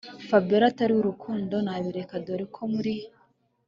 Fabiora atari urukundo nabireka dore ko muri